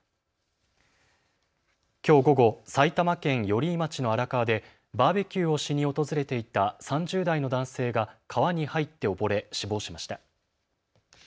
きょう午後、埼玉県寄居町の荒川でバーベキューをしに訪れていた３０代の男性が川に入って溺れ死亡しました。